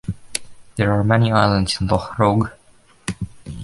There are many islands in Loch Roag.